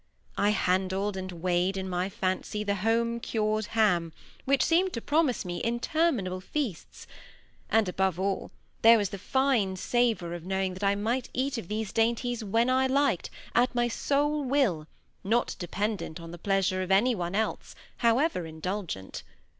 I handled and weighed in my fancy the home cured ham, which seemed to promise me interminable feasts; and, above all, there was the fine savour of knowing that I might eat of these dainties when I liked, at my sole will, not dependent on the pleasure of any one else, however indulgent.